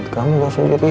kamu harus sendiri